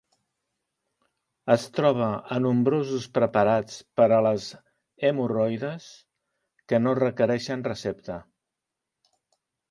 Es troba a nombrosos preparats per a les hemorroides que no requereixen recepta.